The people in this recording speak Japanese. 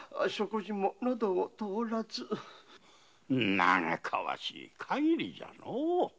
嘆かわしい限りじゃのう。